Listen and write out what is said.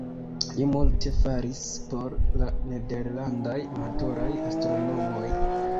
Li multe faris por la nederlandaj amatoraj astronomoj.